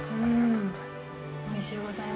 おいしゅうございます。